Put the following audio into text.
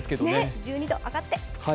１２度、上がって。